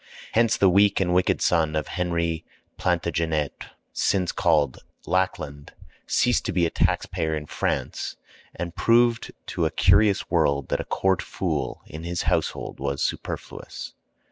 Hence the weak and wicked son of Henry Plantagenet, since called Lackland, ceased to be a tax payer in France, and proved to a curious world that a court fool in his household was superfluous.